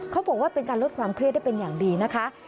เขาบอกว่าเป็นการลดความเครียดได้เป็นอย่างดีนะคะ